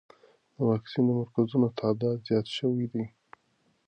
د واکسین مرکزونو تعداد زیات شوی دی.